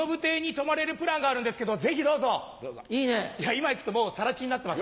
今行くともう更地になってます。